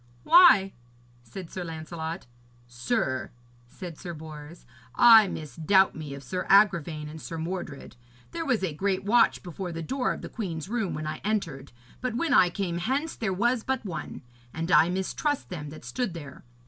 'Why?' said Sir Lancelot. 'Sir,' said Sir Bors, 'I misdoubt me of Sir Agravaine and Sir Mordred. There was a great watch before the door of the queen's room when I entered; but when I came hence there was but one. And I mistrust them that stood there.